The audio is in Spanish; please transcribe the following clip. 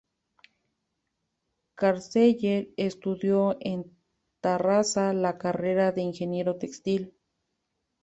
Carceller estudió en Tarrasa la carrera de ingeniero textil.